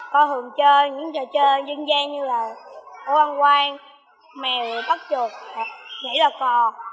con thường chơi những trò chơi dân gian như là ổ ăn quang mèo bắt chuột nhảy đòi cò